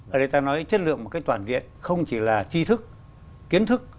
ở đây ta nói chất lượng một cái toàn viện không chỉ là chi thức kiến thức